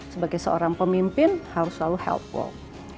sebagai seorang pemimpin harus selalu healthwalk